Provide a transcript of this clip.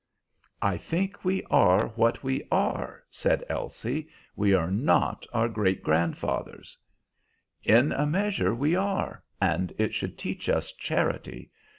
"I think we are what we are," said Elsie; "we are not our great grandfathers." "In a measure we are, and it should teach us charity.